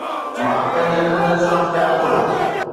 مان پنهنجا ڏند صاف ڪيان ٿو